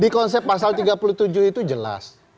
di konsep pasal tiga puluh tujuh itu jelas